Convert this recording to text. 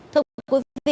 thưa quý vị